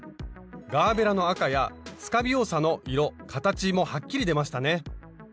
ガーベラの赤やスカビオサの色形もはっきり出ましたね。